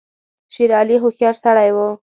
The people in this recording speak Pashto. شېر علي هوښیار سړی وو.